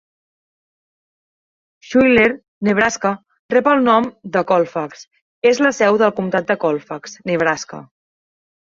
Schuyler, Nebraska, rep el nom de Colfax, és la seu del comtat de Colfax, Nebraska.